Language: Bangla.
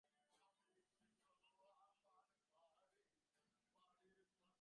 বিস্ময় ভাঙিতে না ভাঙিতে বসন্ত রায় আসিয়া তাঁহাকে আলিঙ্গন করিয়া ধরিলেন।